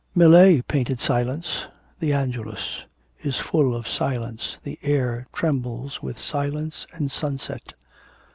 'Millet painted silence. "The Angelus" is full of silence, the air trembles with silence and sunset.'